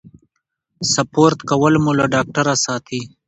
سپورت کول مو له ډاکټره ساتي.